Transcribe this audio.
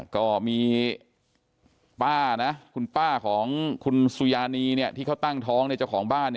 ก็มีป้านะคุณป้าของคุณสุยานีที่เขาตั้งท้องในเจ้าของบ้าน